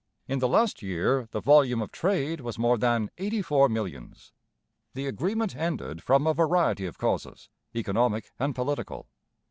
In the last year the volume of trade was more than eighty four millions. The agreement ended from a variety of causes, economic and political.